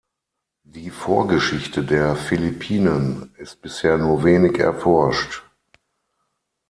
Die Vorgeschichte der Philippinen ist bisher nur wenig erforscht.